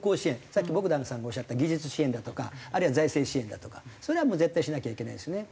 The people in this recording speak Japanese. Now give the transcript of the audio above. さっきボグダンさんがおっしゃった技術支援だとかあるいは財政支援だとかそれはもう絶対しなきゃいけないですよね。